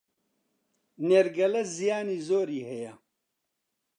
نێرگەلە زیانی زۆری هەیە